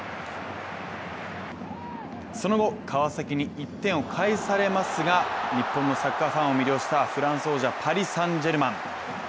その後、川崎に１点を返されますが日本のサッカーファンを魅了したフランス王者、パリ・サン＝ジェルマン。